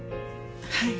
はい。